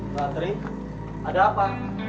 mbak teri ada apa